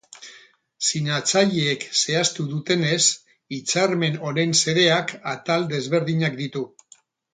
Sinatzaileek zehaztu dutenez, hitzarmen honen xedeak atal desberdinak ditu.